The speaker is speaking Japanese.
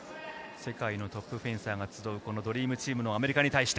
世界のトップフェンサーが集うドリームチームのアメリカに対して。